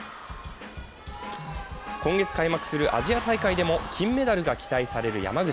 今月開幕するアジア大会でも金メダルが期待される山口。